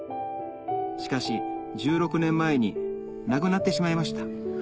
しかし１６年前に亡くなってしまいました